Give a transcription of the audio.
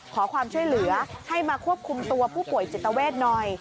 ขอความช่วยเหลือให้มาควบคุมตัวผู้ป่วยจิตเวทหน่อย